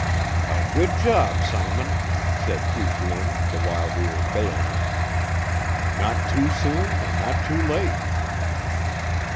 "A good job, Simon," said Hugh Glynn the while we were bailing. "Not too soon and not too late."